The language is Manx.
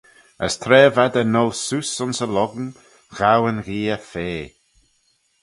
As tra v'ad er ngholl seose ayns y lhong, ghow yn gheay fea.